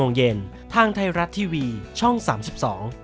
โอเคสวัสดีครับ